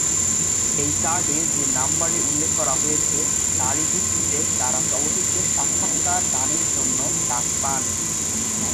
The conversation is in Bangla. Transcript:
এই কার্ডে যে নম্বরের উল্লেখ করা হয়েছে, তারই ভিত্তিতে তারা চলচ্চিত্রে সাক্ষাৎকার দানের জন্য ডাক পান।